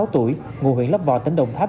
ba mươi sáu tuổi ngụ huyện lắp vò tỉnh đồng tháp